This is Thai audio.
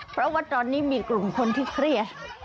เพราะว่าตอนนี้มีกลุ่มคนที่เครียด